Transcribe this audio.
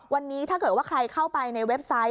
วันนี้ถ้าเกิดว่าใครเข้าไปในเว็บไซต์